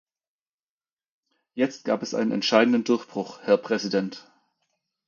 Jetzt gab es einen entscheidenden Durchbruch, Herr Präsident.